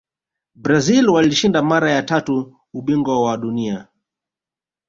brazil walishinda mara ya tatu ubingwa wa dunia